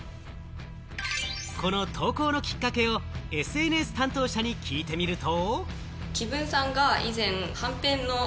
この投稿のきっかけをＳＮＳ担当者に聞いてみると。